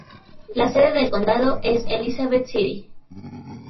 La sede del condado es Elizabeth City.